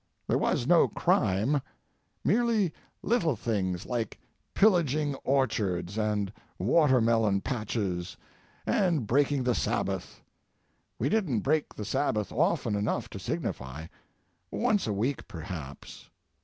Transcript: There was no crime. Merely little things like pillaging orchards and watermelon patches and breaking the Sabbath—we didn't break the Sabbath often enough to signify—once a week perhaps.